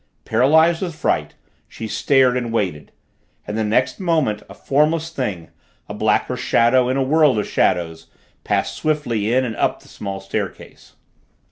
Paralyzed with fright she stared and waited, and the next moment a formless thing, a blacker shadow in a world of shadows, passed swiftly in and up the small staircase.